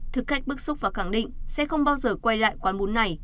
thực cách bức xúc và khẳng định sẽ không bao giờ quay lại quán bún này